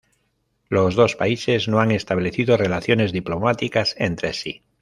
Los dos países no han establecido relaciones diplomáticas entre sí.